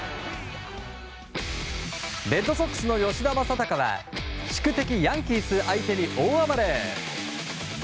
レッドソックスの吉田正尚は宿敵、ヤンキース相手に大暴れ。